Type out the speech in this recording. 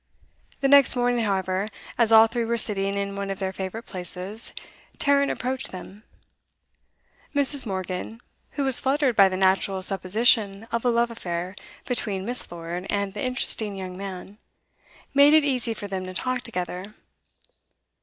The next morning, however, as all three were sitting in one of their favourite places, Tarrant approached them. Mrs. Morgan, who was fluttered by the natural supposition of a love affair between Miss. Lord and the interesting young man, made it easy for them to talk together.